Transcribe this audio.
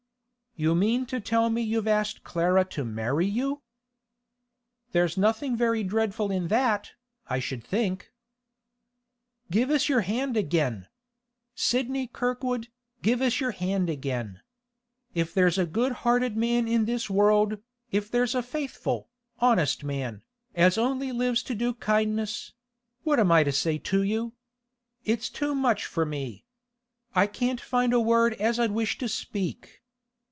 'You mean to tell me you've asked Clara to marry you?' 'There's nothing very dreadful in that, I should think.' 'Give us your hand again! Sidney Kirkwood, give us your hand again! If there's a good hearted man in this world, if there's a faithful, honest man, as only lives to do kindness—What am I to say to you? It's too much for me. I can't find a word as I'd wish to speak.